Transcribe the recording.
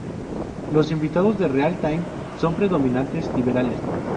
Los invitados de Real Time son predominantemente liberales.